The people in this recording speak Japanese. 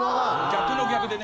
逆の逆でね。